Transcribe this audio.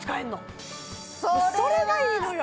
それがいいのよ！